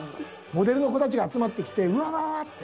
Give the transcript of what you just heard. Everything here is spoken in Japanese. モデルの子たちが集まってきて「うわー！」って。